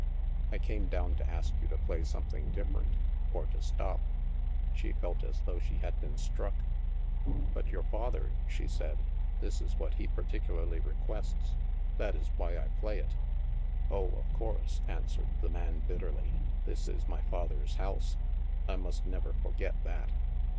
I came down to ask you to play something different, or to stop." She felt as though she had been struck. " But your father," she said. " This is what he particularly requests. That is why I play it." "Oh, of course," answered the man bitterly, " this is my father's house. I must never forget that."